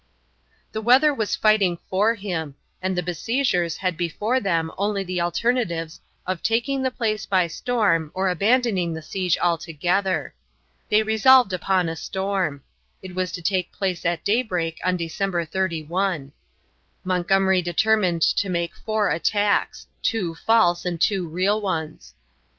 The weather was fighting for him, and the besiegers had before them only the alternatives of taking the place by storm or abandoning the siege altogether. They resolved upon a storm. It was to take place at daybreak on December 31. Montgomery determined to make four attacks two false and two real ones.